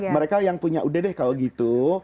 mereka yang punya udah deh kalau gitu